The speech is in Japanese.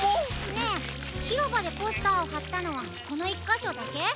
ねえひろばでポスターをはったのはこのいっかしょだけ？